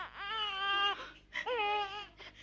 aku tidak pernah menerima